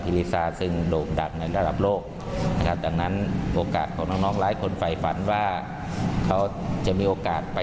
ถือว่าเป็นความโชขดีเป็นความภาคภูมิใจของพี่น้องชาวบุรีหลัมนะครับนะคะ